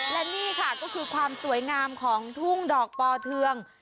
และนี่ค่ะก็คือความสวยงามของทุ่งดอกปอเทือง